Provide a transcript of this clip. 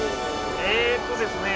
えっとですね